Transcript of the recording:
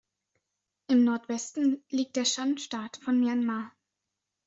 Im Nordwesten liegt der Shan-Staat von Myanmar.